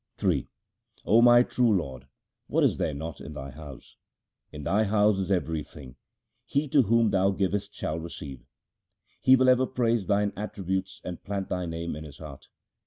Ill 0 my true Lord, what is there not in Thy house ? In Thy house is everything ; he to whom Thou givest shall receive ; He will ever praise Thine attributes and plant Thy name in his heart.